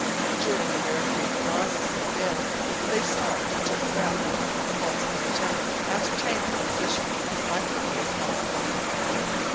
During the rare brief pauses in the gale, they stopped and took breath, whilst the Lieutenant ascertained their position as accurately as possible.